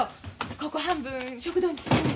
ここ半分食堂にする話。